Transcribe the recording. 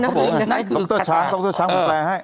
ครับผมดรช้างดรช้างผมแปลงให้